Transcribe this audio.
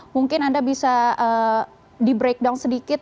mungkin anda bisa di breakdown sedikit